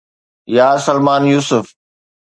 پارسلمان Yusuf.